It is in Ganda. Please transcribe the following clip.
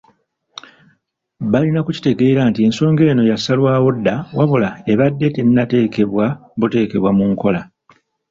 Balina kukitegeera nti ensonga eno yasalwawo dda wabula ebadde tennateekebwa buteekebwa mu nkola.